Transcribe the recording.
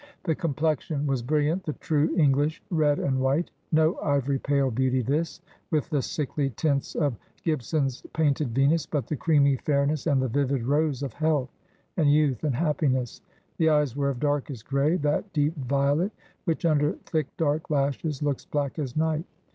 The complexion was brilliant, the true English red and white ; no ivory pale beauty this, with the sickly tints of Gib son's painted Venus, but the creamy fairness and the vivid rose of health, and youth, and happiness. The eyes were of darkest gray, that deep violet which, under thick dark lashes, looks black as night.